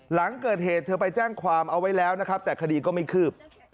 หลังเกิดเหตุเธอไปแจ้งความเอาไว้แล้วนะครับแต่คดีก็ไม่คืบ